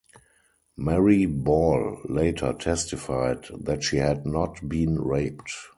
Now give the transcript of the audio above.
Mary Ball later testified that she had not been raped.